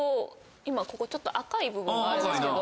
今ここちょっと赤い部分があるんですけど。